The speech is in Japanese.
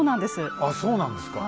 あっそうなんですか。